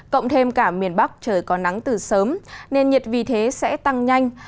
cộng thêm cả miền bắc trời có nắng từ sớm nên nhiệt vì thế sẽ tăng nhanh